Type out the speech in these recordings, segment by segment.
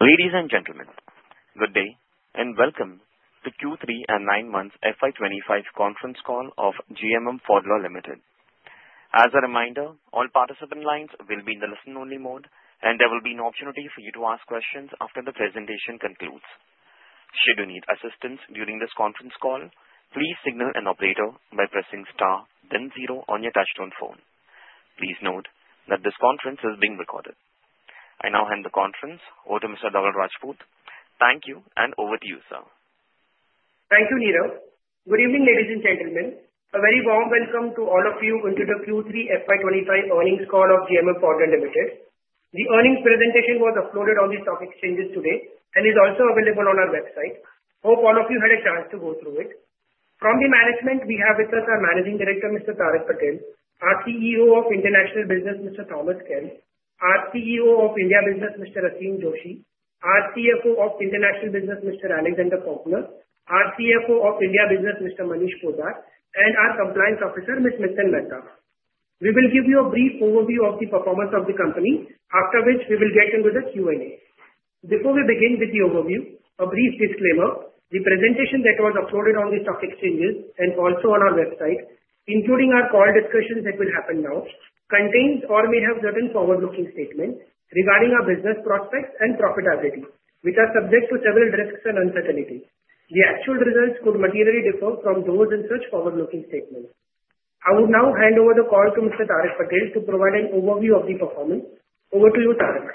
Ladies and gentlemen, good day and welcome to Q3 and 9 Months FY25 Conference Call of GMM Pfaudler Ltd. As a reminder, all participant lines will be in the listen-only mode, and there will be an opportunity for you to ask questions after the presentation concludes. Should you need assistance during this conference call, please signal an operator by pressing star, then zero on your touch-tone phone. Please note that this conference is being recorded. I now hand the conference over to Mr. Dhaval Rajput. Thank you, and over to you, sir. Thank you, Neeru. Good evening, ladies and gentlemen. A very warm welcome to all of you into the Q3 FY25 earnings call of GMM Pfaudler Ltd. The earnings presentation was uploaded on the stock exchanges today and is also available on our website. Hope all of you had a chance to go through it. From the management, we have with us our Managing Director, Mr. Tarak Patel, our CEO of International Business, Mr. Thomas Kehl, our CEO of India Business, Mr. Aseem Joshi, our CFO of International Business, Mr. Alexander Poempner, our CFO of India Business, Mr. Manish Poddar, and our Compliance Officer, Ms. Mittal Mehta. We will give you a brief overview of the performance of the company, after which we will get into the Q&A. Before we begin with the overview, a brief disclaimer: the presentation that was uploaded on the stock exchanges and also on our website, including our call discussions that will happen now, contains or may have certain forward-looking statements regarding our business prospects and profitability, which are subject to several risks and uncertainties. The actual results could materially differ from those in such forward-looking statements. I will now hand over the call to Mr. Tarak Patel to provide an overview of the performance. Over to you, Tarak.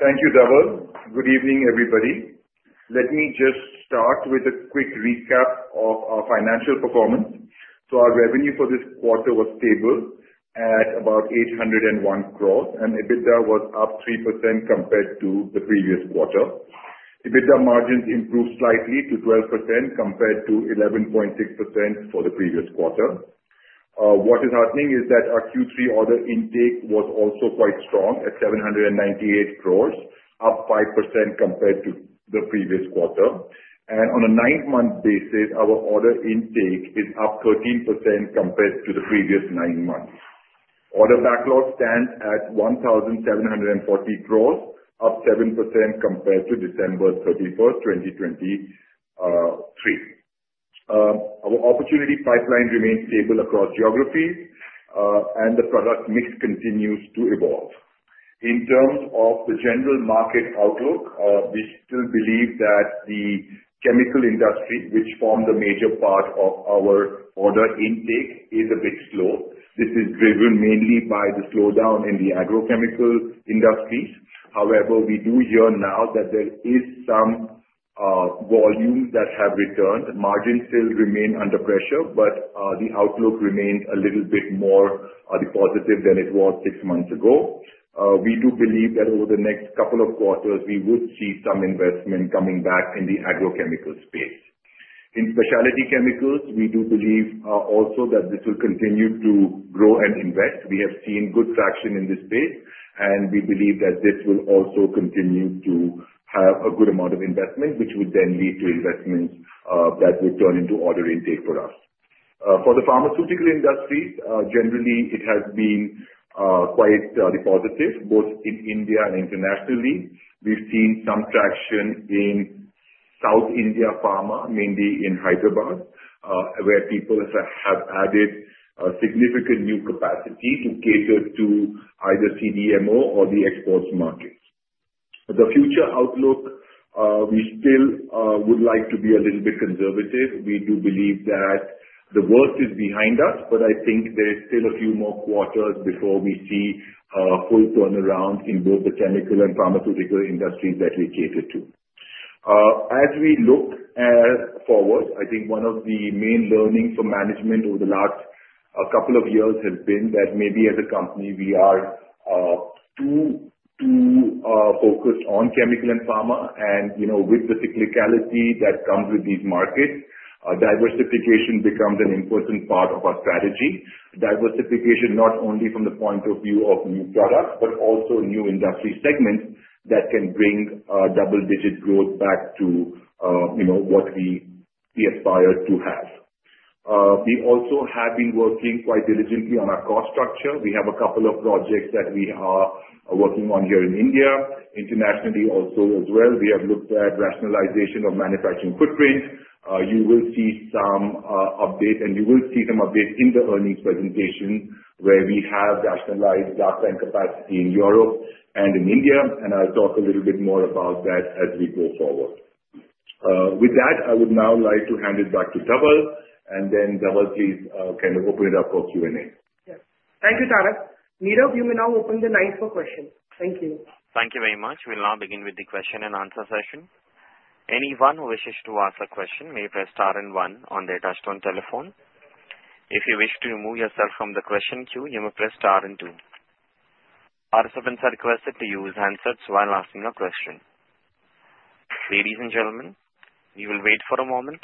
Thank you, Dhaval. Good evening, everybody. Let me just start with a quick recap of our financial performance. So our revenue for this quarter was stable at about 801 crores, and EBITDA was up 3% compared to the previous quarter. EBITDA margins improved slightly to 12% compared to 11.6% for the previous quarter. What is happening is that our Q3 order intake was also quite strong at 798 crores, up 5% compared to the previous quarter and on a nine-month basis, our order intake is up 13% compared to the previous nine months. Order backlog stands at 1,740 crores, up 7% compared to December 31st, 2023. Our opportunity pipeline remains stable across geographies, and the product mix continues to evolve. In terms of the general market outlook, we still believe that the chemical industry, which forms a major part of our order intake, is a bit slow. This is driven mainly by the slowdown in the agrochemical industries. However, we do hear now that there is some volume that has returned. Margins still remain under pressure, but the outlook remains a little bit more positive than it was six months ago. We do believe that over the next couple of quarters, we would see some investment coming back in the agrochemical space. In specialty chemicals, we do believe also that this will continue to grow and invest. We have seen good traction in this space, and we believe that this will also continue to have a good amount of investment, which would then lead to investments that would turn into order intake for us. For the pharmaceutical industry, generally, it has been quite positive, both in India and internationally. We've seen some traction in South India pharma, mainly in Hyderabad, where people have added significant new capacity to cater to either CDMO or the exports market. The future outlook, we still would like to be a little bit conservative. We do believe that the worst is behind us, but I think there are still a few more quarters before we see a full turnaround in both the chemical and pharmaceutical industries that we cater to. As we look forward, I think one of the main learnings from management over the last couple of years has been that maybe as a company, we are too focused on chemical and pharma, and with the cyclicality that comes with these markets, diversification becomes an important part of our strategy. Diversification not only from the point of view of new products, but also new industry segments that can bring double-digit growth back to what we aspire to have. We also have been working quite diligently on our cost structure. We have a couple of projects that we are working on here in India. Internationally also, as well, we have looked at rationalization of manufacturing footprint. You will see some updates, and you will see some updates in the earnings presentation where we have rationalized DACH and capacity in Europe and in India, and I'll talk a little bit more about that as we go forward. With that, I would now like to hand it back to Dhaval, and then Dhaval, please kind of open it up for Q&A. Thank you, Tarak. Neeru, you may now open the line for questions. Thank you. Thank you very much. We'll now begin with the question and answer session. Anyone who wishes to ask a question may press star and one on their touch-tone telephone. If you wish to remove yourself from the question queue, you may press star and two. Participants are requested to use handsets while asking a question. Ladies and gentlemen, you will wait for a moment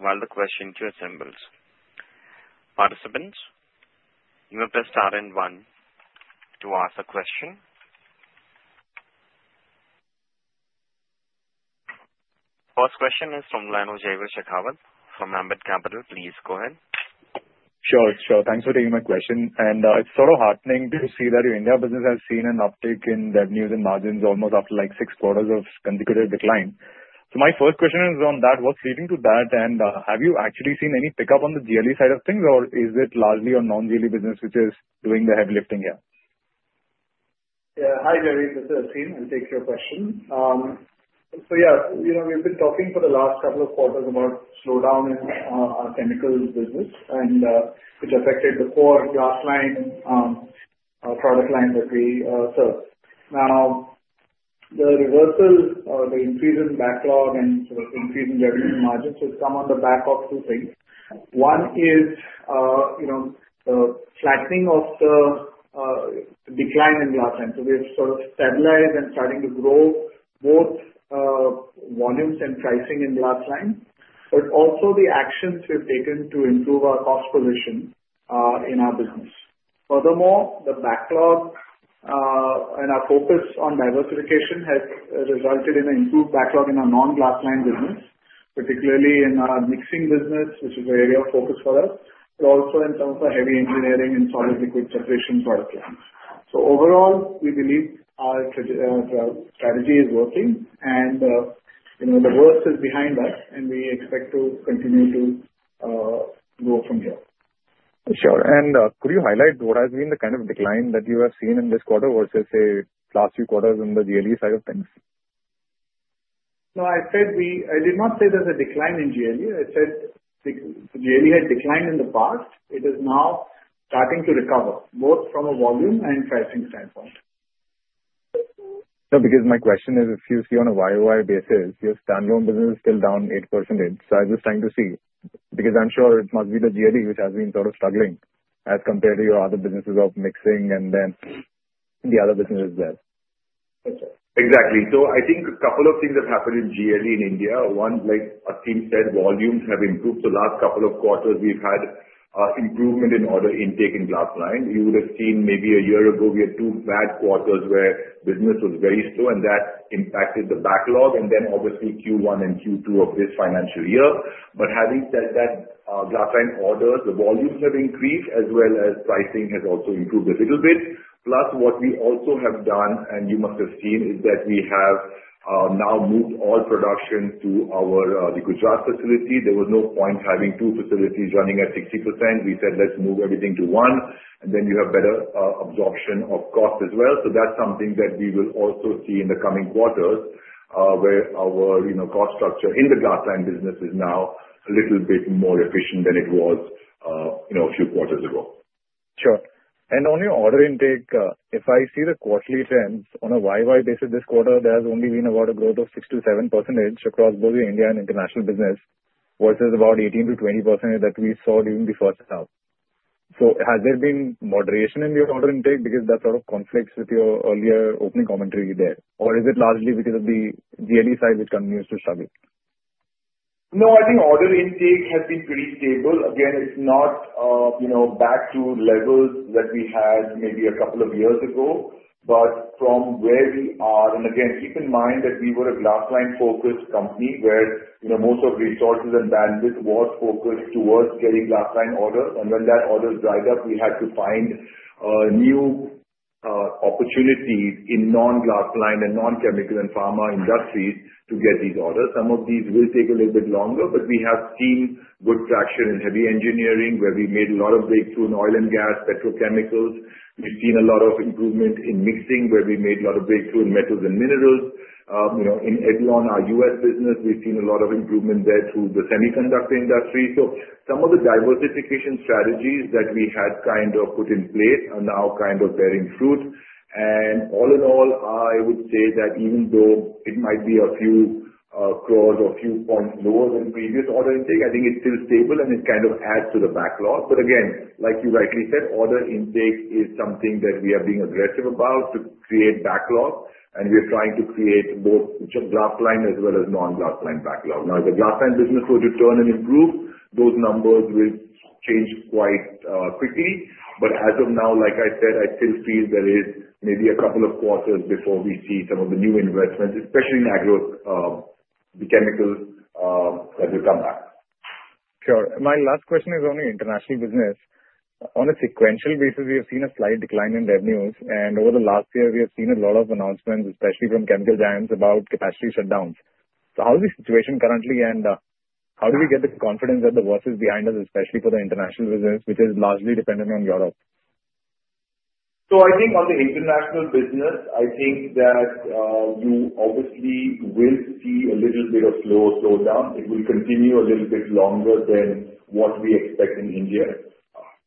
while the question queue assembles. Participants, you may press star and one to ask a question. First question is from Jaiveer Shekhawat from Ambit Capital. Please go ahead. Sure, sure. Thanks for taking my question. I`t's sort of heartening to see that your India business has seen an uptick in revenues and margins almost after like six quarters of consecutive decline. So my first question is on that. What's leading to that, and have you actually seen any pickup on the GLE side of things, or is it largely your non-GLE business which is doing the heavy lifting here? Yeah. Hi, Jaiveer. This is Aseem who takes your question. So yeah, we've been talking for the last couple of quarters about slowdown in our chemical business, which affected the core glass-lined product line that we serve. Now, the reversal, the increase in backlog and sort of increase in revenue margins has come on the back of two things. One is the flattening of the decline in glass-lined. So we have sort of stabilized and starting to grow both volumes and pricing in glass-lined, but also the actions we've taken to improve our cost position in our business. Furthermore, the backlog and our focus on diversification has resulted in an improved backlog in our non-glass-lined business, particularly in our mixing business, which is an area of focus for us, but also in terms of heavy engineering and solid-liquid separation product lines. So overall, we believe our strategy is working, and the worst is behind us, and we expect to continue to grow from here. Sure. Could you highlight what has been the kind of decline that you have seen in this quarter versus, say, last few quarters in the GLE side of things? No, I said I did not say there's a decline in GLE. I said GLE had declined in the past. It is now starting to recover, both from a volume and pricing standpoint. No, because my question is, if you see on a YoY basis, your standalone business is still down 8%. So I'm just trying to see because I'm sure it must be the GLE which has been sort of struggling as compared to your other businesses of mixing and then the other businesses there. Exactly. So I think a couple of things have happened in GLE in India. One, like Aseem said, volumes have improved. The last couple of quarters, we've had improvement in order intake in glass-lined. You would have seen maybe a year ago, we had two bad quarters where business was very slow, and that impacted the backlog and then obviously Q1 and Q2 of this financial year. But having said that, glass-lined orders, the volumes have increased as well as pricing has also improved a little bit. Plus, what we also have done, and you must have seen, is that we have now moved all production to our Gujarat facility. There was no point having two facilities running at 60%. We said, "Let's move everything to one," and then you have better absorption of cost as well. So that's something that we will also see in the coming quarters where our cost structure in the glass-lined business is now a little bit more efficient than it was a few quarters ago. Sure. On your order intake, if I see the quarterly trends, on a YoY basis this quarter, there has only been about a growth of 6%-7% across both the India and international business versus about 18%-20% that we saw during the first half. So has there been moderation in your order intake because that sort of conflicts with your earlier opening commentary there or is it largely because of the GLE side which continues to struggle? No, I think order intake has been pretty stable. Again, it's not back to levels that we had maybe a couple of years ago. But from where we are, and again, keep in mind that we were a glass-lined-focused company where most of resources and bandwidth was focused towards getting glass-lined orders. When that orders dried up, we had to find new opportunities in non-glass-lined and non-chemical and pharma industries to get these orders. Some of these will take a little bit longer, but we have seen good traction in heavy engineering where we made a lot of breakthrough in oil and gas, petrochemicals. We've seen a lot of improvement in mixing where we made a lot of breakthrough in metals and minerals. In Edlon, our US business, we've seen a lot of improvement there through the semiconductor industry. Some of the diversification strategies that we had kind of put in place are now kind of bearing fruit. All in all, I would say that even though it might be a few crores or a few points lower than previous order intake, I think it's still stable and it kind of adds to the backlog. Again, like you rightly said, order intake is something that we are being aggressive about to create backlog, and we are trying to create both glass-lined as well as non-glass-lined backlog. Now, if the glass-lined business were to turn and improve, those numbers will change quite quickly. As of now, like I said, I still feel there is maybe a couple of quarters before we see some of the new investments, especially in agrochemicals, that will come back. Sure. My last question is on international business. On a sequential basis, we have seen a slight decline in revenues, and over the last year, we have seen a lot of announcements, especially from chemical giants, about capacity shutdowns. So how is the situation currently, and how do we get the confidence that the worst is behind us, especially for the international business, which is largely dependent on Europe? I think on the international business, I think that you obviously will see a little bit of slowdown. It will continue a little bit longer than what we expect in India.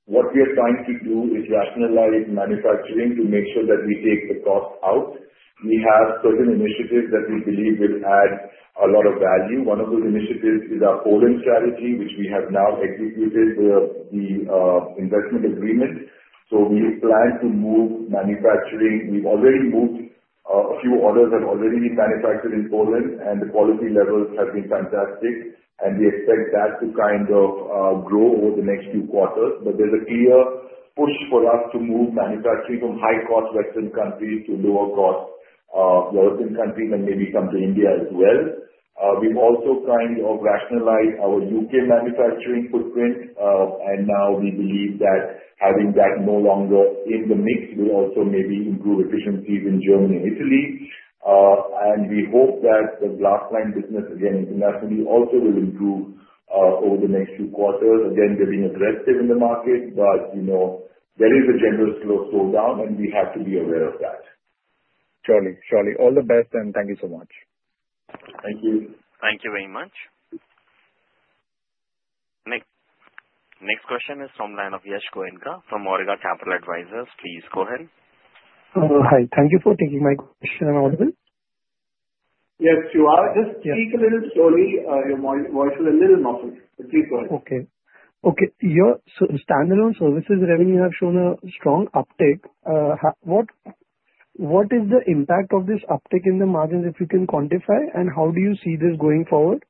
What we are trying to do is rationalize manufacturing to make sure that we take the cost out. We have certain initiatives that we believe will add a lot of value. One of those initiatives is our Poland strategy, which we have now executed the investment agreement. We plan to move manufacturing. We've already moved a few orders that have already been manufactured in Poland, and the quality levels have been fantastic. We expect that to kind of grow over the next few quarters. There's a clear push for us to move manufacturing from high-cost Western countries to lower-cost developing countries and maybe come to India as well. We've also kind of rationalized our U.K. manufacturing footprint, and now we believe that having that no longer in the mix will also maybe improve efficiencies in Germany and Italy, and we hope that the glass-lined business, again, internationally also will improve over the next few quarters. Again, we're being aggressive in the market, but there is a general slowdown, and we have to be aware of that. Surely, surely. All the best, and thank you so much. Thank you. Thank you very much. Next question is from Yash Goenka from Auriga Capital Advisors. Please go ahead. Hi. Thank you for taking my question out of it. Yes, you are. Just speak a little slowly. Your voice was a little muffled, but please go ahead. Your standalone services revenue has shown a strong uptake. What is the impact of this uptake in the margins, if you can quantify and how do you see this going forward?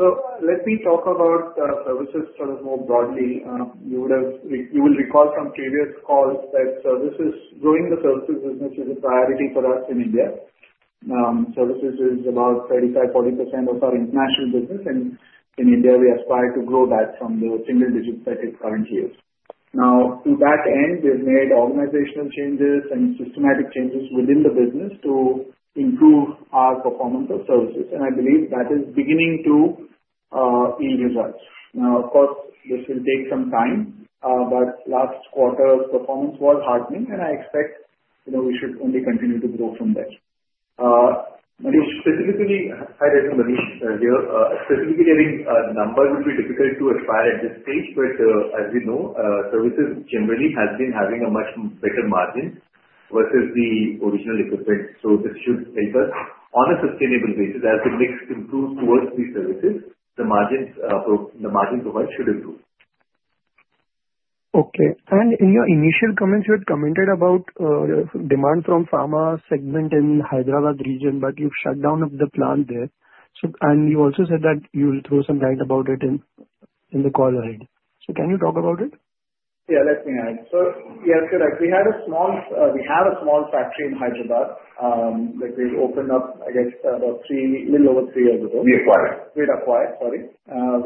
So let me talk about services sort of more broadly. You will recall from previous calls that services, growing the services business is a priority for us in India. Services is about 35%-40% of our international business, and in India, we aspire to grow that from the single digits that it currently is. Now, to that end, we have made organizational changes and systematic changes within the business to improve our performance of services, and I believe that is beginning to yield results. Now, of course, this will take some time, but last quarter's performance was heartening, and I expect we should only continue to grow from there. Specifically, I reckon getting numbers would be difficult to aspire at this stage, but as you know, services generally have been having a much better margin versus the original equipment. So this should help us on a sustainable basis. As the mix improves towards these services, the margin profile should improve. Okay. In your initial comments, you had commented about demand from pharma segment in Hyderabad region, but you've shut down the plant there, and you also said that you'll throw some light about it in the call ahead. So can you talk about it? Yeah, let me add it. So yeah, correct. We have a small factory in Hyderabad. We opened up, I guess, a little over three years ago. We acquired. We acquired, sorry.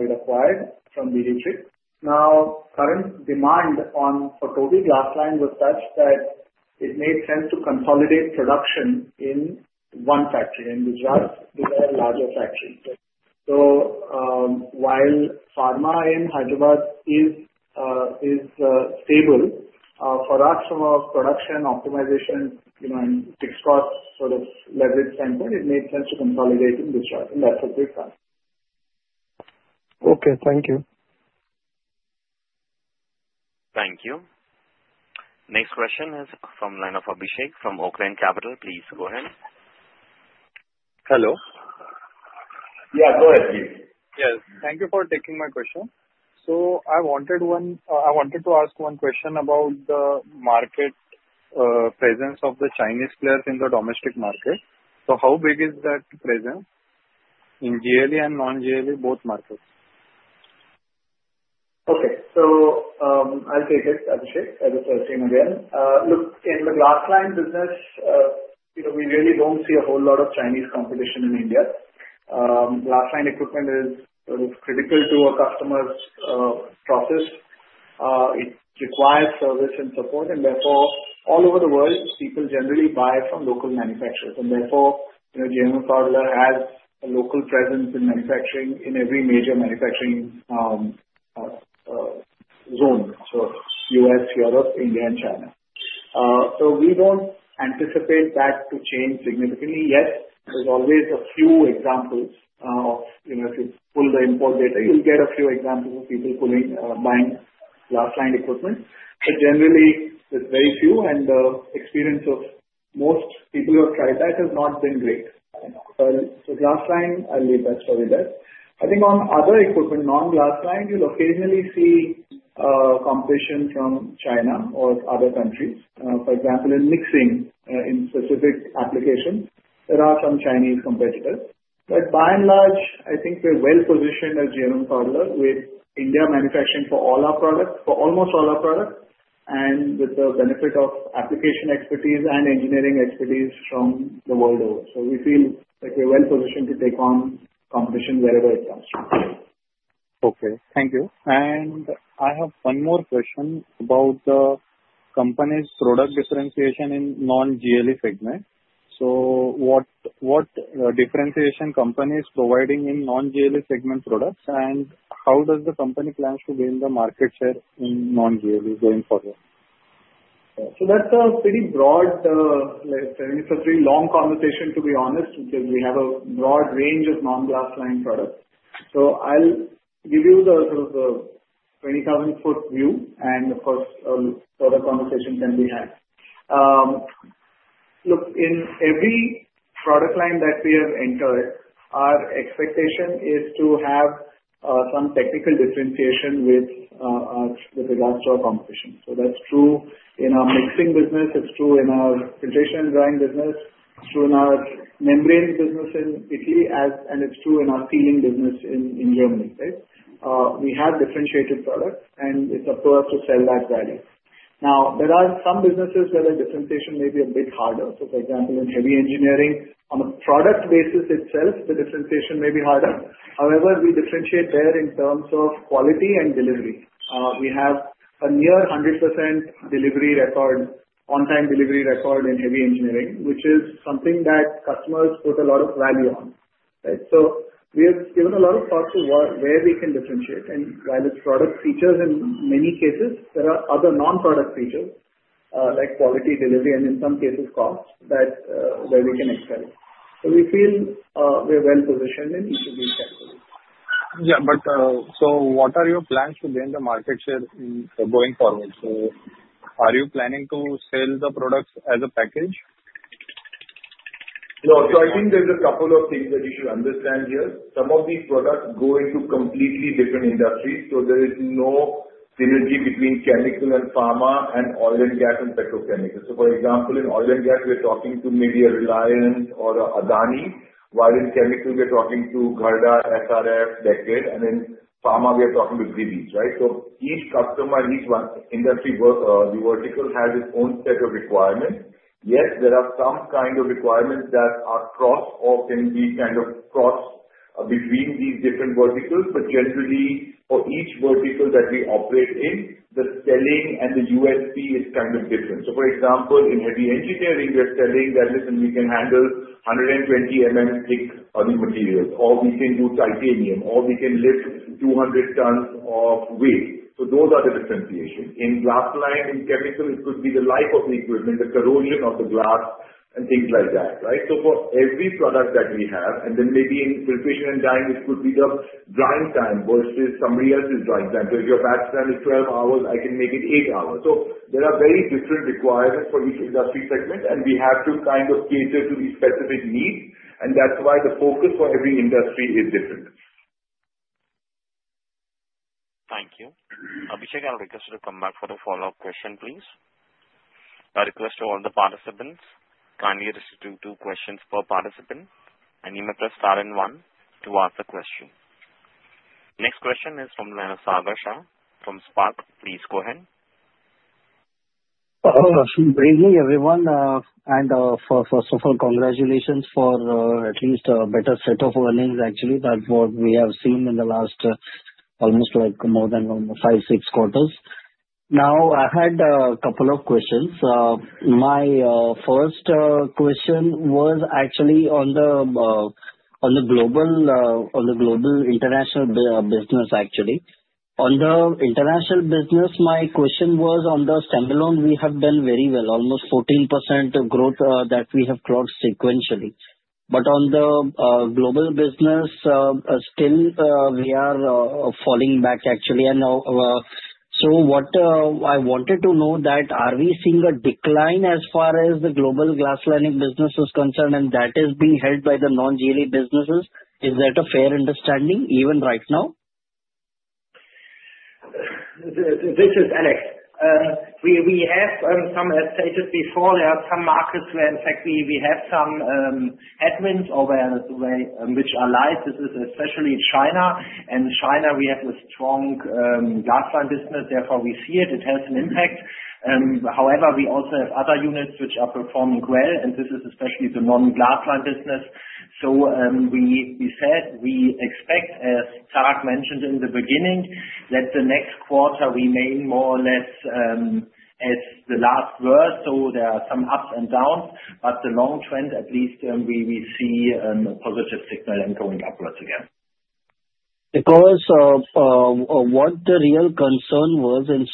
We acquired from De Dietrich. Now, current demand for our glass-lined was such that it made sense to consolidate production in one factory in Gujarat with a larger factory. So while pharma in Hyderabad is stable, for us, from a production optimization and fixed cost sort of leverage standpoint, it made sense to consolidate in Gujarat, and that's what we've done. Okay. Thank you. Thank you. Next question is from Abhishek from Oaklane Capital. Please go ahead. Hello. Yeah, go ahead, please. Yes. Thank you for taking my question. So I wanted to ask one question about the market presence of the Chinese players in the domestic market. So how big is that presence in GLE and non-GLE, both markets? Okay, so I'll take it, Aseem, again. Look, in the glass-lined business, we really don't see a whole lot of Chinese competition in India. glass-lined equipment is sort of critical to our customers' process. It requires service and support, and therefore, all over the world, people generally buy from local manufacturers, and therefore, GMM Pfaudler has a local presence in manufacturing in every major manufacturing zone: U.S., Europe, India, and China, so we don't anticipate that to change significantly yet. There's always a few examples of, if you pull the import data, you'll get a few examples of people buying glass-lined equipment. But generally, there's very few, and the experience of most people who have tried that has not been great, so glass-lined, I'll leave that story there. I think on other equipment, non-glass-lined, you'll occasionally see competition from China or other countries. For example, in mixing, in specific applications, there are some Chinese competitors. But by and large, I think we're well-positioned at GMM Pfaudler with India manufacturing for almost all our products and with the benefit of application expertise and engineering expertise from the world over. So we feel like we're well positioned to take on competition wherever it comes from. Okay. Thank you. I have one more question about the company's product differentiation in non-GLE segment. So what differentiation is the company providing in non-GLE segment products, and how does the company plan to gain the market share in non-GLE going forward? That's a pretty broad. It's a pretty long conversation, to be honest, because we have a broad range of non-glass-lined products. I'll give you the sort of the 20,000-foot view, and of course, further conversation can be had. Look, in every product line that we have entered, our expectation is to have some technical differentiation with regards to our competition. That's true in our mixing business. It's true in our filtration and drying business. It's true in our membrane business in Italy, and it's true in our sealing business in Germany, right? We have differentiated products, and it's up to us to sell that value. Now, there are some businesses where the differentiation may be a bit harder. For example, in heavy engineering, on a product basis itself, the differentiation may be harder. However, we differentiate there in terms of quality and delivery. We have a near 100% delivery record, on-time delivery record in heavy engineering, which is something that customers put a lot of value on, right? So we have given a lot of thought to where we can differentiate and while it's product features, in many cases, there are other non-product features like quality delivery and, in some cases, cost that we can excel. So we feel we're well-positioned in each of these categories. Yeah. But, so what are your plans to gain the market share going forward? So, are you planning to sell the products as a package? No. So I think there's a couple of things that you should understand here. Some of these products go into completely different industries. So there is no synergy between chemical and pharma and oil and gas, and petrochemicals. So, for example, in oil and gas, we're talking to maybe a Reliance or an Adani. While in chemical, we're talking to Gharda, SRF, BASF and in pharma, we are talking to JB, right? So each customer, each industry vertical has its own set of requirements. Yes, there are some kind of requirements that are cross or can be kind of cross between these different verticals. But generally, for each vertical that we operate in, the selling and the USP is kind of different. So, for example, in heavy engineering, we're selling that, "Listen, we can handle 120 thick oil materials," or, "We can do titanium," or, "We can lift 200 tons of weight." So those are the differentiation. In glass-lined, in chemical, it could be the life of the equipment, the corrosion of the glass, and things like that, right? So for every product that we have, and then maybe in filtration and drying, it could be the drying time versus somebody else's drying time. So if your batch time is 12 hours, I can make it 8 hours. So there are very different requirements for each industry segment, and we have to kind of cater to these specific needs, and that's why the focus for every industry is different. Thank you. Abhishek, I'll request you to come back for the follow-up question, please. I request all the participants kindly restrict to two questions per participant, and you may press star and one to ask the question. Next question is from Sagar Shah from Spark. Please go ahead. Hello everyone, and first of all, congratulations for at least a better set of earnings, actually. That's what we have seen in the last almost like more than five, six quarters. Now, I had a couple of questions. My first question was actually on the global international business, actually. On the international business, my question was on the stand-alone, we have done very well, almost 14% growth that we have clocked sequentially. But on the global business, still, we are falling back, actually. What I wanted to know is that are we seeing a decline as far as the global glass-lined business is concerned, and that is being held by the non-GLE businesses? Is that a fair understanding even right now? This is Alex. As stated before, there are some markets where, in fact, we have some headwinds over which we have little. This is especially China, and China, we have a strong glass-lined business. Therefore, we see it. It has an impact. However, we also have other units which are performing well, and this is especially the non-glass-lined business. So we said we expect, as Tarak mentioned in the beginning, that the next quarter remain more or less as the last quarter. So there are some ups and downs, but the long trend, at least, we see a positive signal and going upwards again. What the real concern was, in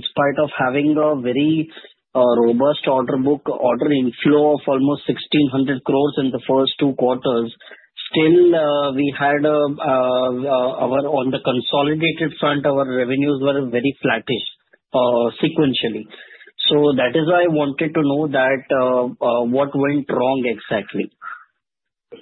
spite of having a very robust order book, order inflow of almost 1,600 crores in the first two quarters, still, we had on the consolidated front, our revenues were very flattish sequentially. So that is why I wanted to know what went wrong exactly.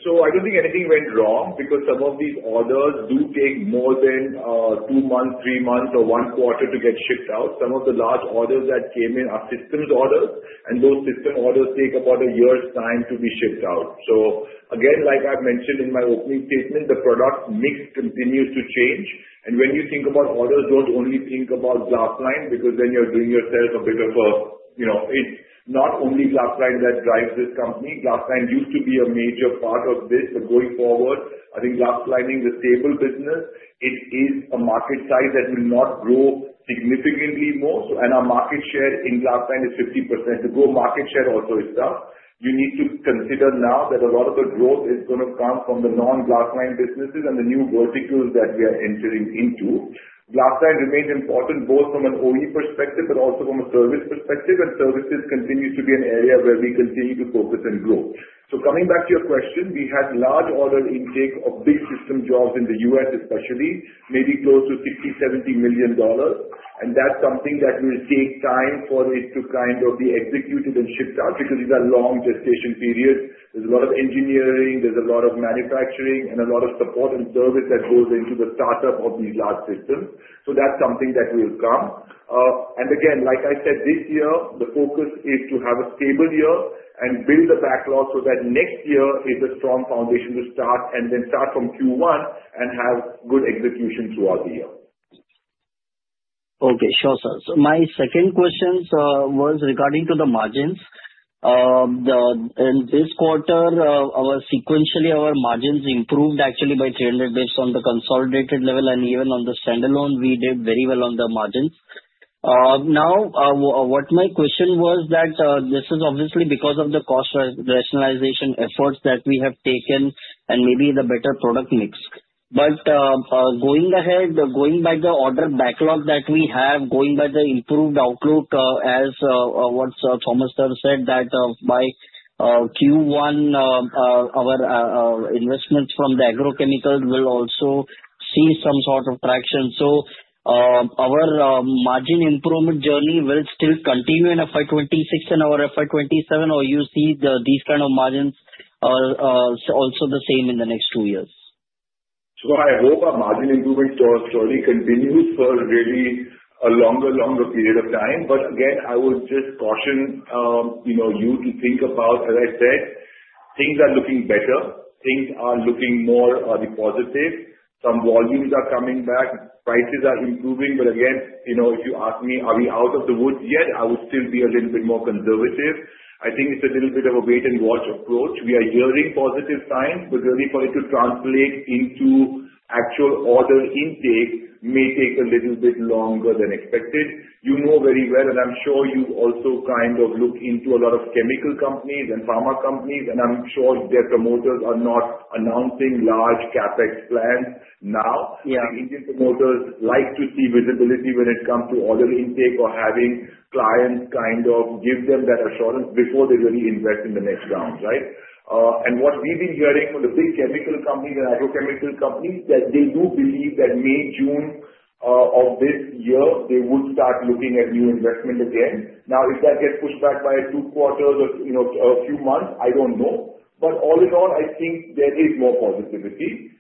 So I don't think anything went wrong because some of these orders do take more than two months, three months, or one quarter to get shipped out. Some of the large orders that came in are systems orders, and those system orders take about a year's time to be shipped out. So again, like I've mentioned in my opening statement, the product mix continues to change. When you think about orders, don't only think about glass-lined because then you're doing yourself a bit of a, it's not only glass-lined that drives this company. Glass-lined used to be a major part of this, but going forward, I think glass lining is a stable business. It is a market size that will not grow significantly more and our market share in glass-lined is 50%. The growth market share also is tough. You need to consider now that a lot of the growth is going to come from the non-glass-lined businesses and the new verticals that we are entering into. Glass-lined remains important both from an OE perspective but also from a service perspective, and services continues to be an area where we continue to focus and grow. So coming back to your question, we had large order intake of big system jobs in the U.S., especially maybe close to $60-$70 million, and that's something that will take time for it to kind of be executed and shipped out because these are long gestation periods. There's a lot of engineering, there's a lot of manufacturing, and a lot of support and service that goes into the startup of these large systems. So that's something that will come. Again, like I said, this year the focus is to have a stable year and build a backlog so that next year is a strong foundation to start and then start from Q1 and have good execution throughout the year. Okay. Sure. So my second question was regarding to the margins. In this quarter, sequentially, our margins improved actually by 300 based on the consolidated level, and even on the standalone, we did very well on the margins. Now, what my question was that this is obviously because of the cost rationalization efforts that we have taken and maybe the better product mix. But going ahead, going by the order backlog that we have, going by the improved outlook as what Thomas Kehl said, that by Q1, our investments from the agrochemicals will also see some sort of traction. So our margin improvement journey will still continue in FY26 and our FY27, or do you see these kind of margins are also the same in the next two years? So I hope our margin improvement journey continues for really a longer, longer period of time. But again, I would just caution you to think about, as I said, things are looking better. Things are looking more positive. Some volumes are coming back. Prices are improving. But again, if you ask me, are we out of the woods yet? I would still be a little bit more conservative. I think it's a little bit of a wait-and-watch approach. We are hearing positive signs, but really for it to translate into actual order intake may take a little bit longer than expected. You know very well, and I'm sure you've also kind of looked into a lot of chemical companies and pharma companies, and I'm sure their promoters are not announcing large CapEx plans now. The Indian promoters like to see visibility when it comes to order intake or having clients kind of give them that assurance before they really invest in the next round, right? What we've been hearing from the big chemical companies and agrochemical companies is that they do believe that May, June of this year, they would start looking at new investment again. Now, if that gets pushed back by two quarters or a few months, I don't know. But all in all, I think there is more positivity.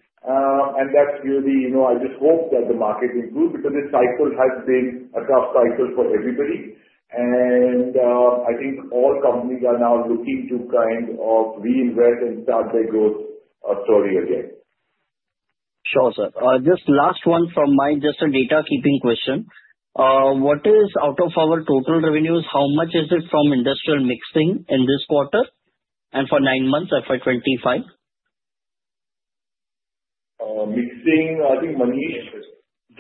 That's really, I just hope that the market improves because this cycle has been a tough cycle for everybody. I think all companies are now looking to kind of reinvest and start their growth story again. Sure, sir. Just last one from me, just a housekeeping question. What is out of our total revenues, how much is it from industrial mixing in this quarter and for nine months, FY25? Mixing, I think margin is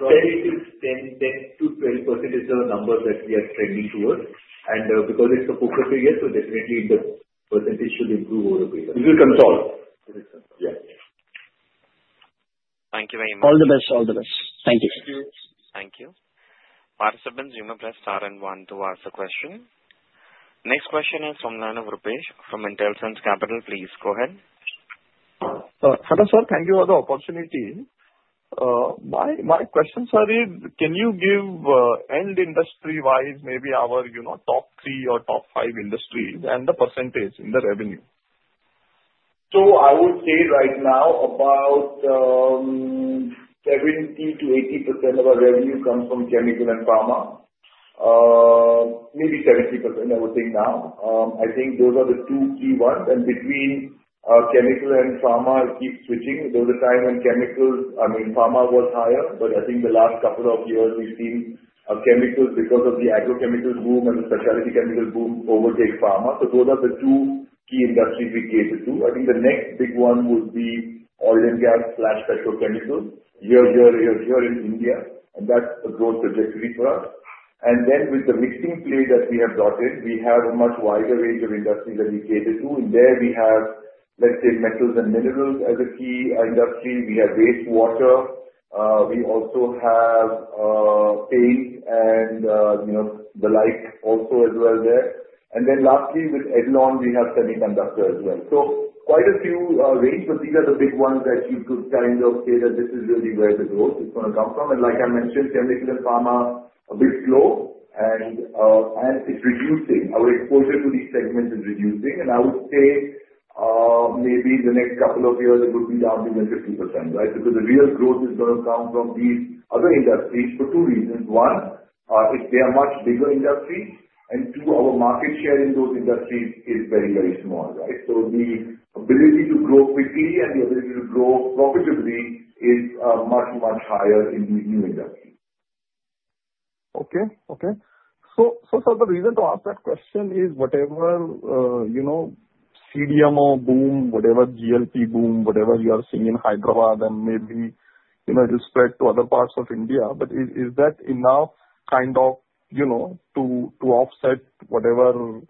10%-12% is the number that we are trending towards, and because it's a focus area, so definitely the percentage should improve over the years. This is consolidated. Thank you very much. All the best. All the best. Thank you. Thank you. Thank you. Participants, you may press star and one to ask the question. Next question is from the line of Bhavesh from Intelsense Capital. Please go ahead. Hello, sir. Thank you for the opportunity. My question, sir, is can you give end industry-wise maybe our top three or top five industries and the percentage in the revenue? So I would say right now, about 70%-80% of our revenue comes from chemical and pharma. Maybe 70%, I would think now. I think those are the two key ones, and between chemical and pharma, it keeps switching. There was a time when chemicals—I mean, pharma was higher, but I think the last couple of years we've seen chemicals because of the agrochemical boom and the specialty chemical boom overtake pharma. So those are the two key industries we cater to. I think the next big one would be oil and gas/petrochemicals here in India, and that's a growth trajectory for us. Then with the mixing play that we have got in, we have a much wider range of industries that we cater to. In there, we have, let's say, metals and minerals as a key industry. We have wastewater. We also have paint and the like also as well there, and then lastly, with Edlon, we have semiconductor as well, so quite a few ranges, but these are the big ones that you could kind of say that this is really where the growth is going to come from, and like I mentioned, chemical and pharma are a bit slow, and it's reducing. Our exposure to these segments is reducing, and I would say maybe in the next couple of years, it would be down to even 50%, right, because the real growth is going to come from these other industries for two reasons. One, they are much bigger industries, and two, our market share in those industries is very, very small, right, so the ability to grow quickly and the ability to grow profitably is much, much higher in these new industries. Okay. Okay. So the reason to ask that question is whatever CDMO boom, whatever GLP boom, whatever you are seeing in Hyderabad, and maybe it'll spread to other parts of India, but is that enough kind of to offset whatever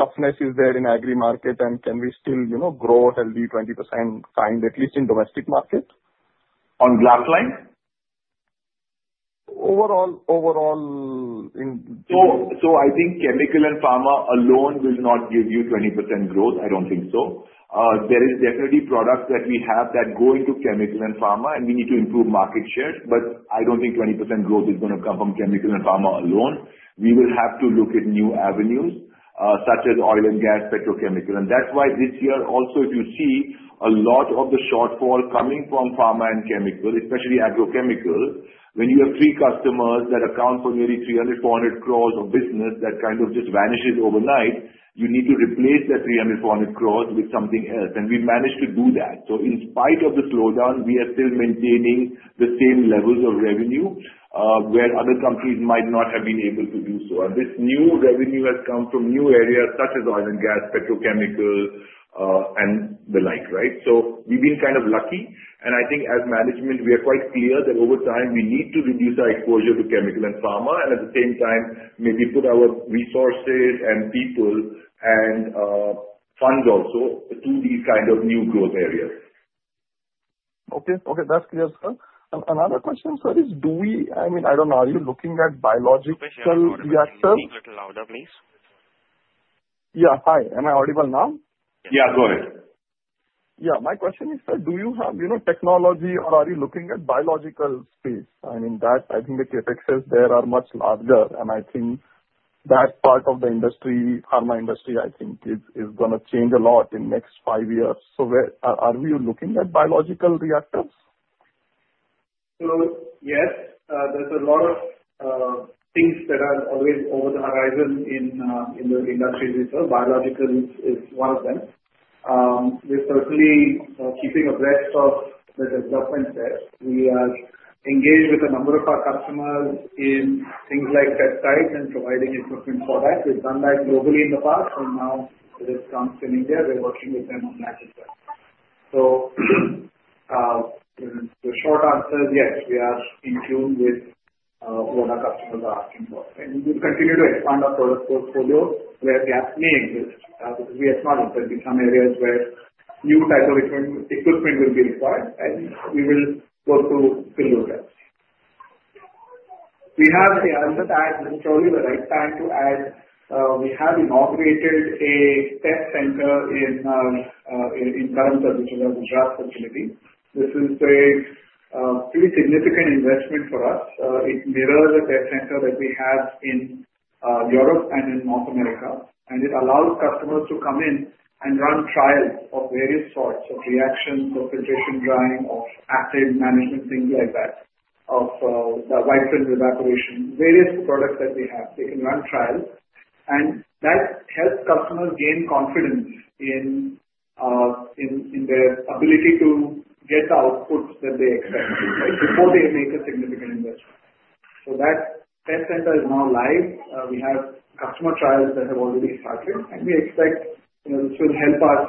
toughness is there in agri market, and can we still grow healthy 20% kind, at least in domestic market? On glass-lined? Overall, overall. I think chemical and pharma alone will not give you 20% growth. I don't think so. There is definitely products that we have that go into chemical and pharma, and we need to improve market share. But I don't think 20% growth is going to come from chemical and pharma alone. We will have to look at new avenues such as oil and gas, petrochemical and that's why this year also, if you see a lot of the shortfall coming from pharma and chemical, especially agrochemical, when you have three customers that account for nearly 300-400 crores of business that kind of just vanishes overnight, you need to replace that 300-400 crores with something else and we managed to do that. So in spite of the slowdown, we are still maintaining the same levels of revenue where other countries might not have been able to do so. This new revenue has come from new areas such as oil and gas, petrochemical, and the like, right? We've been kind of lucky. I think as management, we are quite clear that over time, we need to reduce our exposure to chemical and pharma, and at the same time, maybe put our resources and people and funds also to these kind of new growth areas. Okay. Okay. That's clear, sir. Another question, sir, is do we, I mean, I don't know. Are you looking at biological reactors? Speak a little louder, please. Yeah. Hi. Am I audible now? Yeah. Go ahead. Yeah. My question is, sir, do you have technology or are you looking at biological space? I mean, I think the CapExes there are much larger, and I think that part of the industry, pharma industry, I think is going to change a lot in the next five years. So are you looking at biological reactors? So yes. There's a lot of things that are always over the horizon in the industries we serve. Biological is one of them. We're certainly keeping abreast of the developments there. We are engaged with a number of our customers in things like peptides and providing equipment for that. We've done that globally in the past, and now as it comes to India, we're working with them on that as well. So the short answer is yes, we are in tune with what our customers are asking for and we will continue to expand our product portfolio where gaps may exist because we acknowledge there will be some areas where new type of equipment will be required, and we will work to fill those gaps. We have, I'll just add, this is probably the right time to add, we have inaugurated a test center in Karamsad, which is our Gujarat facility. This is a pretty significant investment for us. It mirrors a test center that we have in Europe and in North America, and it allows customers to come in and run trials of various sorts of reactions or filtration drying of acid management, things like that, of the wiped film evaporation, various products that we have. They can run trials, and that helps customers gain confidence in their ability to get the outputs that they expect, right, before they make a significant investment. So that test center is now live. We have customer trials that have already started, and we expect this will help us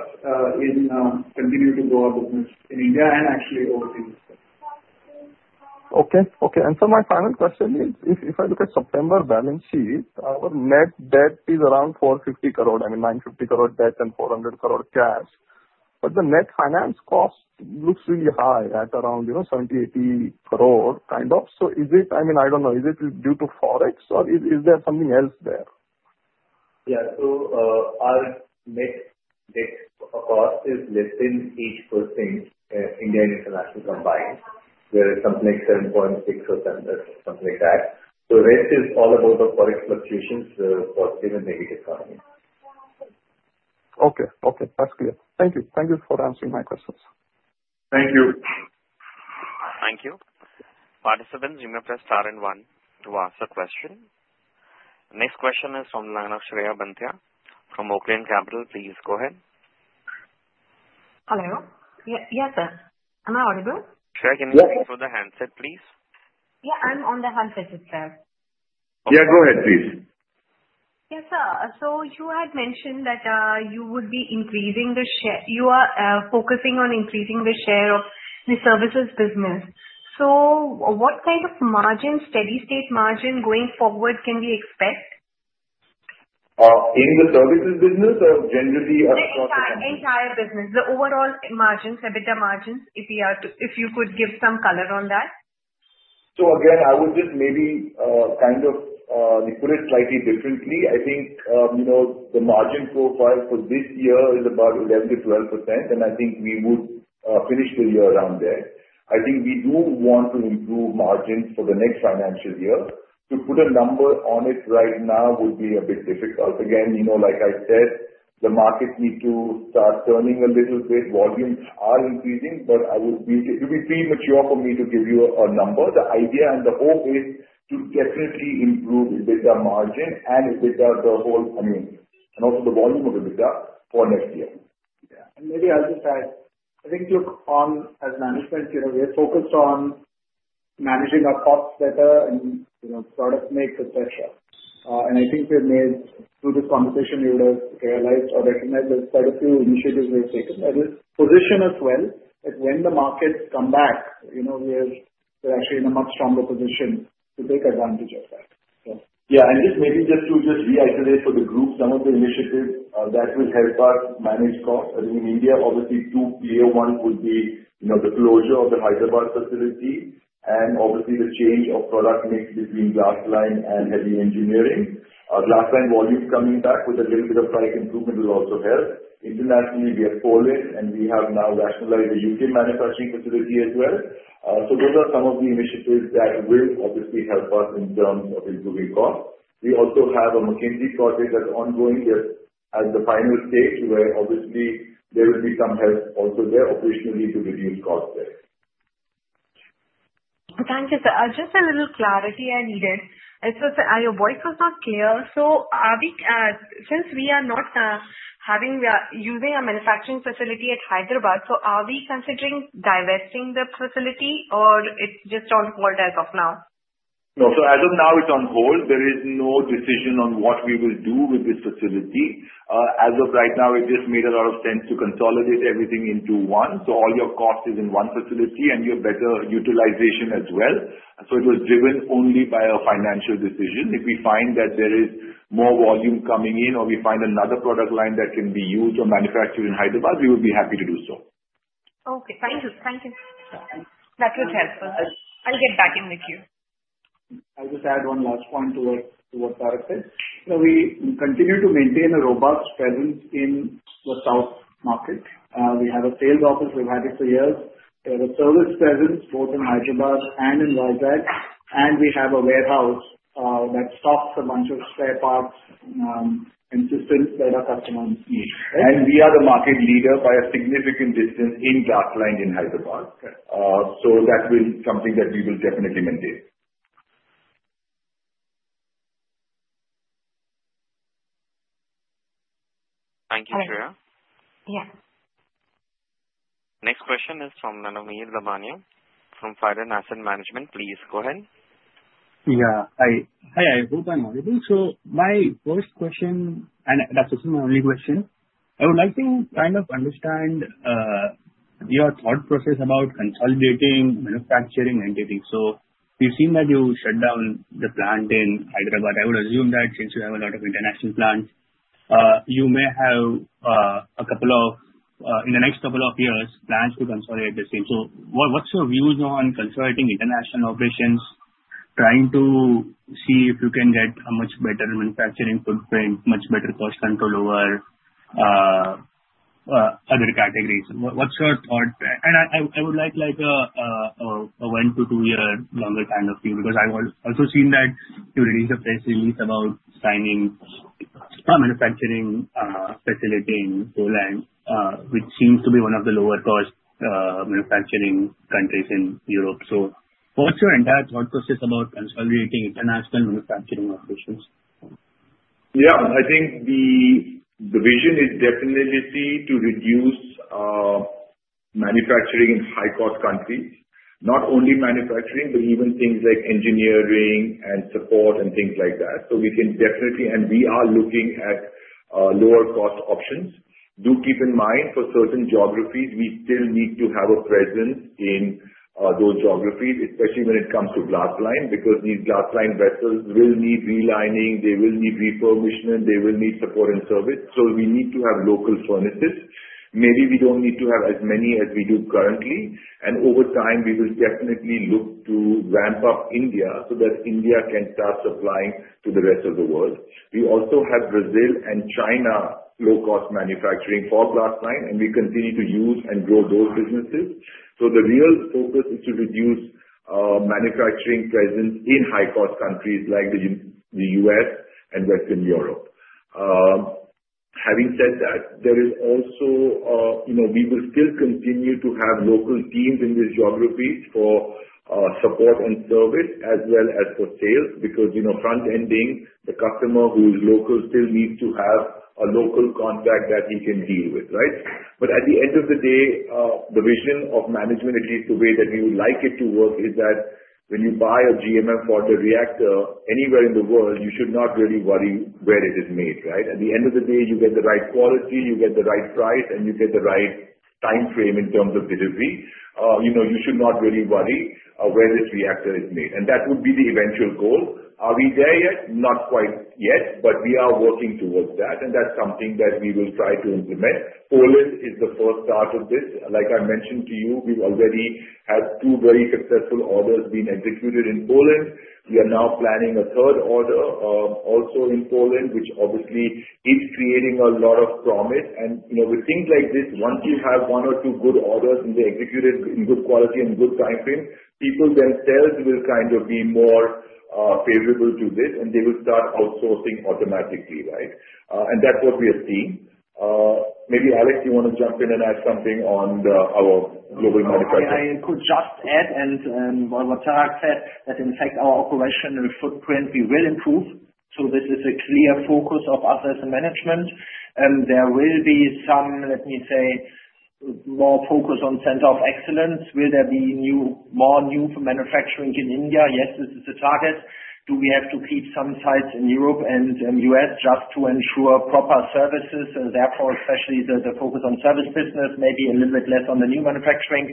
continue to grow our business in India and actually overseas. Okay. Okay. My final question is, if I look at September balance sheet, our net debt is around 450 crore, I mean, 950 crore debt and 400 crore cash. But the net finance cost looks really high at around 70-80 crore kind of. So is it, I mean, I don't know. Is it due to forex, or is there something else there? Yeah. So our net debt, of course, is less than eight percent India and international combined, where it's something like 7.6% or something like that. So rest is all about the forex fluctuations, the positive and negative coming. Okay. Okay. That's clear. Thank you. Thank you for answering my questions. Thank you. Thank you. Participants, you may press star and one to ask a question. Next question is from line of Shreya Banthia from Oaklane Capital. Please go ahead. Hello. Yes, sir. Am I audible? Sure. Can you speak through the handset, please? Yeah. I'm on the handset itself. Yeah. Go ahead, please. Yes, sir. So you had mentioned that you would be increasing the share. You are focusing on increasing the share of the services business. So what kind of margin, steady-state margin going forward can we expect? In the services business or generally across the country? Yes, sir. Entire business. The overall margins, EBITDA margins, if you could give some color on that. So again, I would just maybe kind of put it slightly differently. I think the margin profile for this year is about 11%-12%, and I think we would finish the year around there. I think we do want to improve margins for the next financial year. To put a number on it right now would be a bit difficult. Again, like I said, the markets need to start turning a little bit. Volumes are increasing, but it would be premature for me to give you a number. The idea and the hope is to definitely improve EBITDA margin and EBITDA the whole, I mean, and also the volume of EBITDA for next year. Yeah, and maybe I'll just add, I think look on as management, we are focused on managing our costs better and product mix, etc. I think we have made it through this conversation. You would have realized or recognized there's quite a few initiatives we have taken. That positions us well that when the markets come back, we are actually in a much stronger position to take advantage of that. Yeah. Just maybe to reiterate for the group, some of the initiatives that will help us manage costs in India, obviously, two clear ones would be the closure of the Hyderabad facility and obviously, the change of product mix between glass-lined and heavy engineering. Glass-lined volume coming back with a little bit of product improvement will also help. Internationally, we have Poland, and we have now rationalized a UK manufacturing facility as well. So those are some of the initiatives that will obviously help us in terms of improving costs. We also have a McKinsey project that's ongoing. We are at the final stage where obviously there will be some help also there operationally to reduce costs there. Thank you, sir. Just a little clarity I needed. It's just that your voice was not clear. So since we are using a manufacturing facility at Hyderabad, so are we considering divesting the facility, or it's just on hold as of now? No, so as of now, it's on hold. There is no decision on what we will do with this facility. As of right now, it just made a lot of sense to consolidate everything into one, so all your cost is in one facility, and you have better utilization as well, so it was driven only by a financial decision. If we find that there is more volume coming in or we find another product line that can be used or manufactured in Hyderabad, we would be happy to do so. Okay. Thank you. Thank you. That would help us. I'll get back in with you. I'll just add one last point to what Tarak said. We continue to maintain a robust presence in the South market. We have a sales office. We've had it for years. We have a service presence both in Hyderabad and in Visakhapatnam, and we have a warehouse that stocks a bunch of spare parts and systems that our customers need. We are the market leader by a significant distance in glass-lined in Hyderabad. That will be something that we will definitely maintain. Thank you, Shreya. Yeah. Next question is from Dhanami Dhabalia from Fair Asset Management. Please go ahead. Yeah. Hi. I hope I'm audible. So my first question, and that's also my only question, I would like to kind of understand your thought process about consolidating manufacturing entities. So we've seen that you shut down the plant in Hyderabad. I would assume that since you have a lot of international plants, you may have a couple of, in the next couple of years, plans to consolidate the same. So what's your views on consolidating international operations, trying to see if you can get a much better manufacturing footprint, much better cost control over other categories? What's your thought? I would like a one to two-year longer kind of view because I've also seen that you released a press release about signing a manufacturing facility in Poland, which seems to be one of the lower-cost manufacturing countries in Europe. So what's your entire thought process about consolidating international manufacturing operations? Yeah. I think the vision is definitely to reduce manufacturing in high-cost countries, not only manufacturing, but even things like engineering and support and things like that. So we can definitely, and we are looking at lower-cost options. Do keep in mind for certain geographies, we still need to have a presence in those geographies, especially when it comes to glass-lined because these glass-lined vessels will need relining, they will need refurbishment, they will need support and service. So we need to have local furnaces. Maybe we don't need to have as many as we do currently and over time, we will definitely look to ramp up India so that India can start supplying to the rest of the world. We also have Brazil and China low-cost manufacturing for glass-lined, and we continue to use and grow those businesses. So the real focus is to reduce manufacturing presence in high-cost countries like the U.S. and Western Europe. Having said that, there is also we will still continue to have local teams in these geographies for support and service as well as for sales because front-ending, the customer who is local still needs to have a local contact that he can deal with, right? But at the end of the day, the vision of management, at least the way that we would like it to work, is that when you buy a GMM Pfaudler reactor anywhere in the world, you should not really worry where it is made, right? At the end of the day, you get the right quality, you get the right price, and you get the right time frame in terms of delivery. You should not really worry where this reactor is made. That would be the eventual goal. Are we there yet? Not quite yet, but we are working towards that, and that's something that we will try to implement. Poland is the first start of this. Like I mentioned to you, we've already had two very successful orders being executed in Poland. We are now planning a third order also in Poland, which obviously is creating a lot of promise. With things like this, once you have one or two good orders and they're executed in good quality and good time frame, people themselves will kind of be more favorable to this, and they will start outsourcing automatically, right? That's what we have seen. Maybe Alex, you want to jump in and add something on our global manufacturing? Yeah. I could just add, and what Tarak said, that in fact, our operational footprint, we will improve. So this is a clear focus of us as a management. There will be some, let me say, more focus on center of excellence. Will there be more new manufacturing in India? Yes, this is the target. Do we have to keep some sites in Europe and U.S. just to ensure proper services? Therefore, especially the focus on service business, maybe a little bit less on the new manufacturing.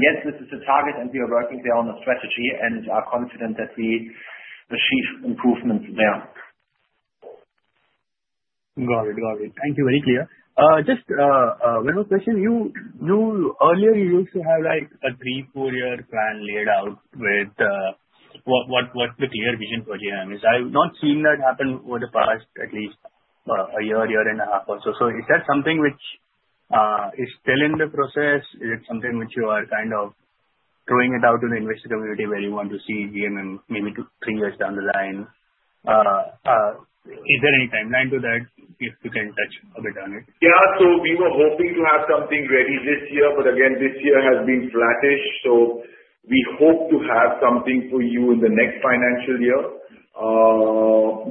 Yes, this is the target, and we are working there on a strategy and are confident that we achieve improvements there. Got it. Got it. Thank you. Very clear. Just one more question. Earlier, you used to have a three, four-year plan laid out with what's the clear vision for GMM? I've not seen that happen over the past, at least a year, year and a half or so. So is that something which is still in the process? Is it something which you are kind of throwing it out to the investor community where you want to see GMM maybe two to three years down the line? Is there any timeline to that if you can touch a bit on it? Yeah, so we were hoping to have something ready this year, but again, this year has been flattish. So, we hope to have something for you in the next financial year.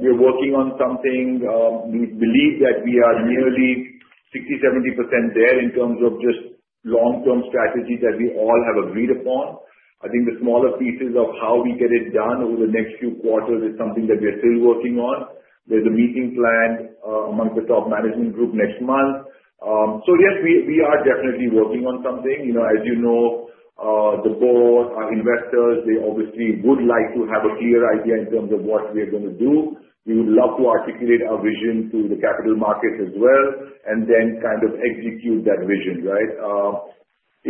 We are working on something. We believe that we are nearly 60%-70% there in terms of just long-term strategy that we all have agreed upon. I think the smaller pieces of how we get it done over the next few quarters is something that we are still working on. There's a meeting planned among the top management group next month. So yes, we are definitely working on something. As you know, the board, our investors, they obviously would like to have a clear idea in terms of what we are going to do. We would love to articulate our vision to the capital markets as well and then kind of execute that vision, right?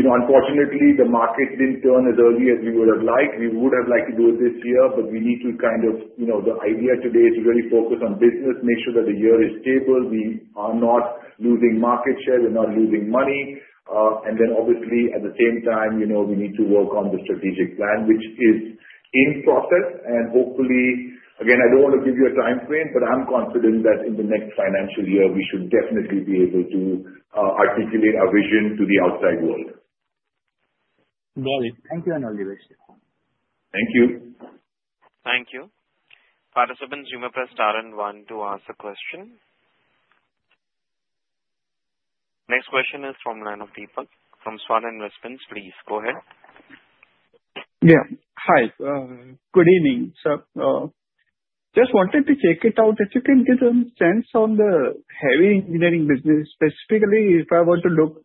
Unfortunately, the market didn't turn as early as we would have liked. We would have liked to do it this year, but we need to kind of. The idea today is to really focus on business, make sure that the year is stable. We are not losing market share. We're not losing money. Then obviously, at the same time, we need to work on the strategic plan, which is in process and hopefully, again, I don't want to give you a time frame, but I'm confident that in the next financial year, we should definitely be able to articulate our vision to the outside world. Got it. Thank you, Anvesh. Thank you. Thank you. Participants, you may press star and one to ask a question. Next question is from line of Vipul from Svan Investment. Please go ahead. Yeah. Hi. Good evening, sir. Just wanted to check it out if you can give some sense on the heavy engineering business, specifically if I were to look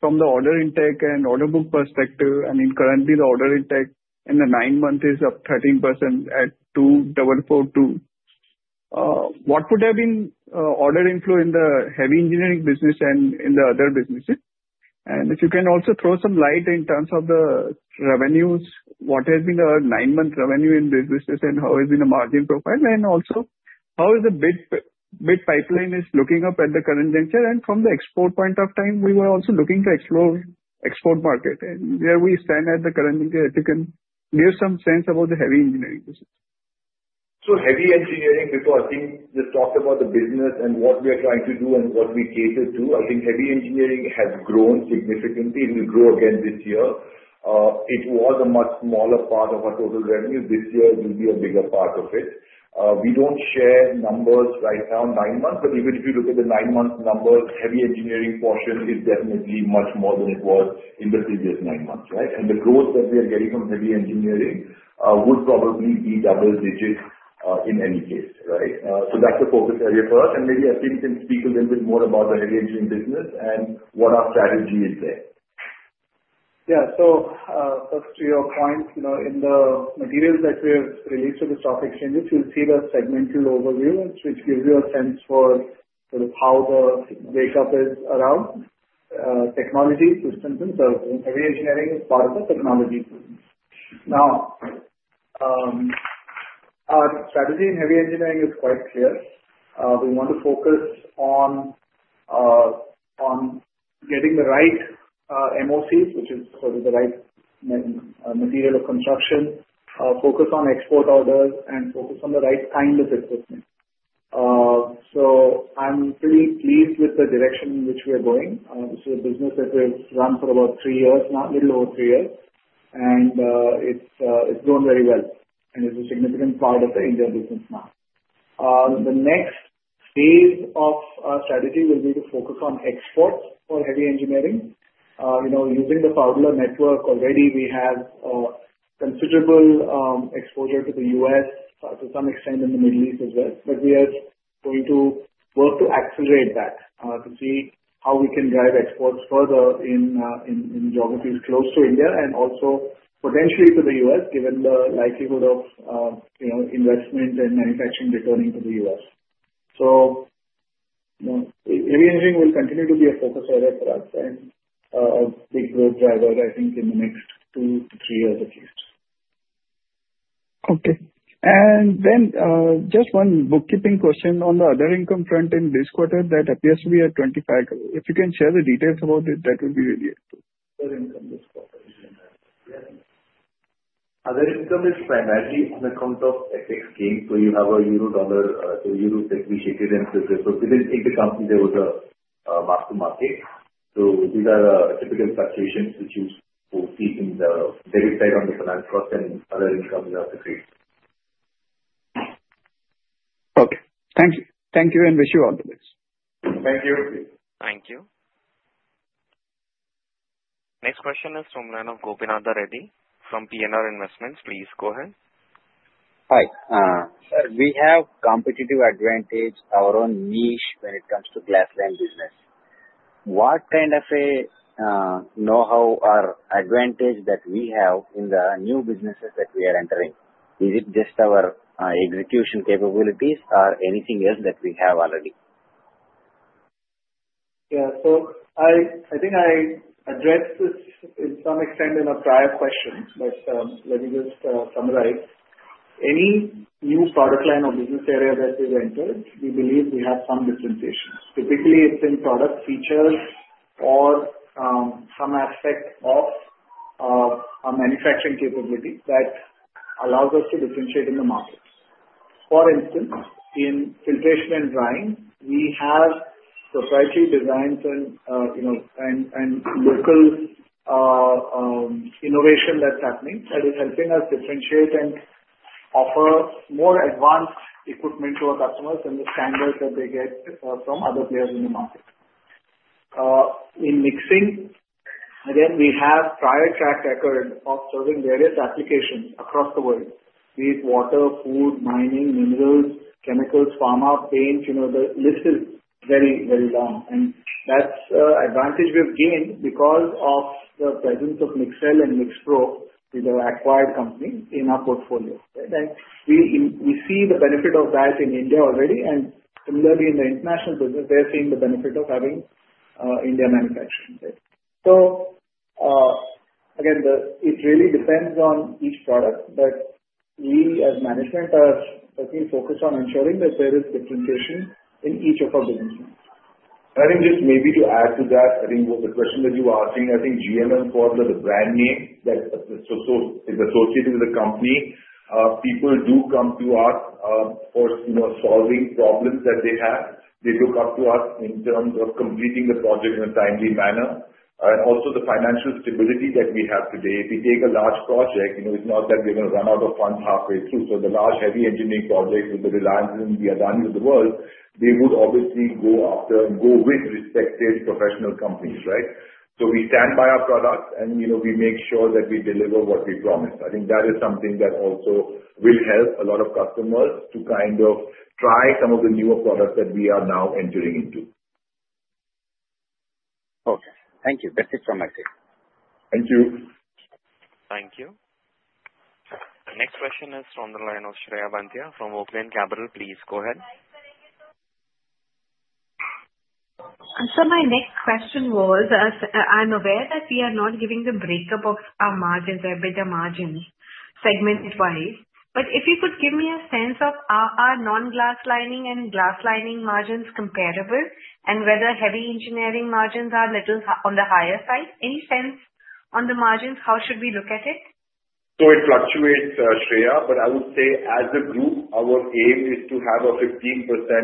from the order intake and order book perspective. I mean, currently, the order intake in the nine months is up 13% at 2,442. What would have been order inflow in the heavy engineering business and in the other businesses? If you can also throw some light in terms of the revenues, what has been the nine-month revenue in these businesses, and how has been the margin profile? Also, how is the bid pipeline looking up at the current juncture and from the export point of view, we were also looking to explore the export market and where we stand at the current juncture, if you can give some sense about the heavy engineering business. So, heavy engineering, before I think just talked about the business and what we are trying to do and what we cater to. I think heavy engineering has grown significantly. It will grow again this year. It was a much smaller part of our total revenue. This year, it will be a bigger part of it. We don't share numbers right now, nine months, but even if you look at the nine-month number, heavy engineering portion is definitely much more than it was in the previous nine months, right? The growth that we are getting from heavy engineering would probably be double-digit in any case, right? So that's the focus area for us and maybe I think you can speak a little bit more about the heavy engineering business and what our strategy is there. Yeah. So first, to your point, in the materials that we have released for this stock exchange, you'll see the segmental overview, which gives you a sense for sort of how the makeup is around technology systems and services. Heavy engineering is part of the technology systems. Now, our strategy in heavy engineering is quite clear. We want to focus on getting the right MOCs, which is sort of the right material of construction, focus on export orders, and focus on the right kind of equipment. So I'm pretty pleased with the direction in which we are going. This is a business that we've run for about three years, now a little over three years, and it's grown very well and is a significant part of the India business now. The next phase of our strategy will be to focus on exports for heavy engineering. Using the Pfaudler network already, we have considerable exposure to the U.S., to some extent in the Middle East as well. But we are going to work to accelerate that to see how we can drive exports further in geographies close to India and also potentially to the U.S., given the likelihood of investment and manufacturing returning to the U.S., so heavy engineering will continue to be a focus area for us and a big growth driver, I think, in the next two to three years at least. Okay. Then just one bookkeeping question on the other income front in this quarter that appears to be at 25. If you can share the details about it, that would be really helpful. Other income this quarter. Yeah. Other income is primarily on account of FX gain. So you have a Euro-Dollar, so Euro depreciated and so forth. So within the company there was a mark to market. So these are typical fluctuations which you will see in the debit side on the finance cost and other incomes of the trade. Okay. Thank you. Thank you and wish you all the best. Thank you. Thank you. Next question is from Gopinath Reddy from Purnartha Investments. Please go ahead. Hi. We have competitive advantage, our own niche when it comes to glass-lined business. What kind of know-how or advantage that we have in the new businesses that we are entering? Is it just our execution capabilities or anything else that we have already? Yeah. So I think I addressed this in some extent in a prior question, but let me just summarize. Any new product line or business area that we've entered, we believe we have some differentiation. Typically, it's in product features or some aspect of our manufacturing capability that allows us to differentiate in the market. For instance, in filtration and drying, we have proprietary designs and local innovation that's happening that is helping us differentiate and offer more advanced equipment to our customers than the standards that they get from other players in the market. In mixing, again, we have prior track record of serving various applications across the world, be it water, food, mining, minerals, chemicals, pharma, paint. The list is very, very long and that's an advantage we've gained because of the presence of Mixel and MixPro, which are acquired companies in our portfolio. We see the benefit of that in India already. Similarly, in the international business, they are seeing the benefit of having India manufacturing. It really depends on each product, but we as management are certainly focused on ensuring that there is differentiation in each of our businesses. I think just maybe to add to that, I think the question that you were asking, I think GMM Pfaudler the brand name that is associated with the company, people do come to us for solving problems that they have. They look up to us in terms of completing the project in a timely manner. Also the financial stability that we have today. If we take a large project, it's not that we're going to run out of funds halfway through. So the large heavy engineering projects with Reliance on the Adani of the world, they would obviously go after and go with respected professional companies, right? So we stand by our products, and we make sure that we deliver what we promise. I think that is something that also will help a lot of customers to kind of try some of the newer products that we are now entering into. Okay. Thank you. That's it from my side. Thank you. Thank you. Next question is from Shreya Banthia from Oaklane Capital. Please go ahead. So my next question was, I'm aware that we are not giving the breakup of our margins, our better margins segment-wise. But if you could give me a sense of are our non-glass lining and glass lining margins comparable and whether heavy engineering margins are a little on the higher side? Any sense on the margins? How should we look at it? So it fluctuates, Shreya, but I would say as a group, our aim is to have a 15%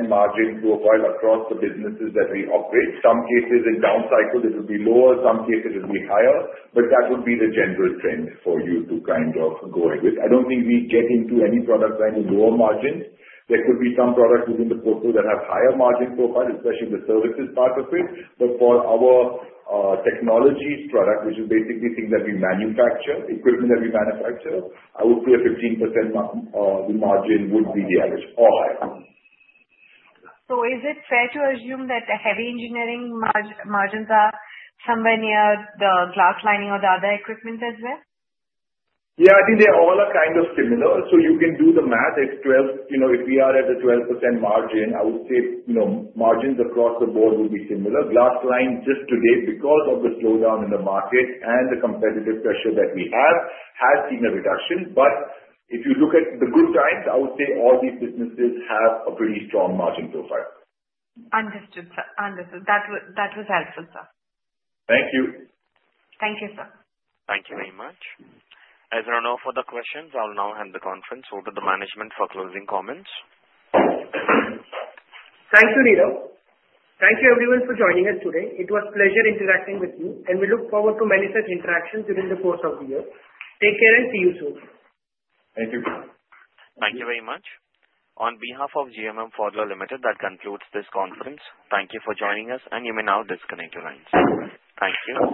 margin profile across the businesses that we operate. Some cases in down cycle, it will be lower. Some cases, it will be higher. But that would be the general trend for you to kind of go ahead. I don't think we get into any product line with lower margins. There could be some products within the portfolio that have higher margin profile, especially the services part of it. But for our technology product, which is basically things that we manufacture, equipment that we manufacture, I would say a 15% margin would be the average or higher. So is it fair to assume that the heavy engineering margins are somewhere near the glass lining or the other equipment as well? Yeah. I think they all are kind of similar. So you can do the math. If we are at a 12% margin, I would say margins across the board would be similar. Glass-lined, just today, because of the slowdown in the market and the competitive pressure that we have, has seen a reduction. But if you look at the good times, I would say all these businesses have a pretty strong margin profile. Understood, sir. Understood. That was helpful, sir. Thank you. Thank you, sir. Thank you very much. As a wrap-up of the questions, I'll now hand the conference over to the management for closing comments. Thank you, Neeru. Thank you, everyone, for joining us today. It was a pleasure interacting with you, and we look forward to many such interactions during the course of the year. Take care and see you soon. Thank you. Thank you very much. On behalf of GMM Pfaudler Limited, that concludes this conference. Thank you for joining us, and you may now disconnect your lines. Thank you.